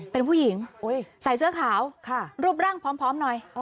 เป็นผู้หญิงใส่เสื้อขาวรูปร่างพร้อมหน่อย